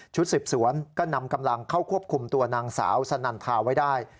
สืบสวนก็นำกำลังเข้าควบคุมตัวนางสาวสนันทาไว้ได้